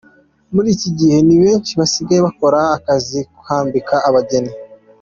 Muri iki gihe ni benshi basigaye bakora akazi ko kwambika abageni.